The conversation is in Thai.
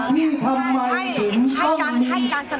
ให้การสนับสนุนภักกรีร